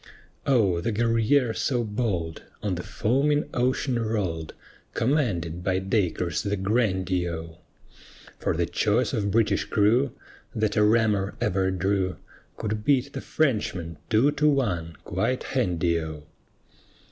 O, the Guerrière so bold On the foaming ocean rolled, Commanded by Dacres the grandee O; For the choice of British crew That a rammer ever drew Could beat the Frenchmen two to one quite handy O.